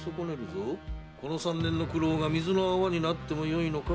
この三年の苦労が水の泡になってもよいのか？